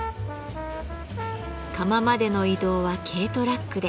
窯までの移動は軽トラックで。